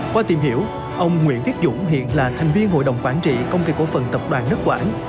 qua tìm hiểu ông nguyễn viết dũng hiện là thành viên hội đồng quản trị công ty cổ phần tập đoàn nước quảng